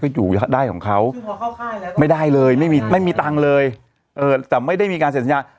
อยู่ได้ของเขาไม่ได้เลยไม่มีไม่มีตังค์เลยแต่ไม่ได้มีการเซ็นสัญญา